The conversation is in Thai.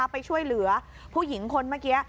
ไปช่วยเหลือผู้หญิงคนเมื่อกี้